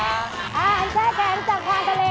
อ่าอันแช่แขนจากทางทะเล